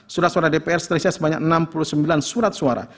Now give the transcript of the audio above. surat suara dpr seterisinya sebanyak enam puluh sembilan surat suara